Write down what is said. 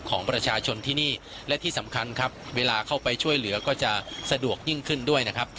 ของประชาชนที่นี่และที่สำคัญครับเวลาเข้าไปช่วยเหลือก็จะสะดวกยิ่งขึ้นด้วยนะครับ